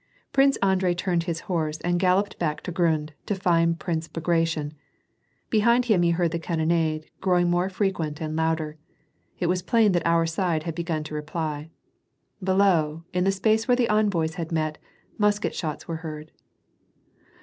Prince Andrei turned his horse and galloped back to Grand, to find Prince Bagration. l^hind him he heard the cannonade, growing more f n;quent and louder. It was plain that our side had l)egun to reply. Below, in the space where the envoys . had met, musket shots were heard.